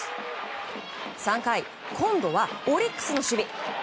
３回、今度はオリックスの守備。